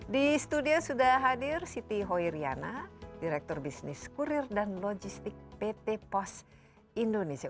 di studio sudah hadir siti hoiriana direktur bisnis kurir dan logistik pt pos indonesia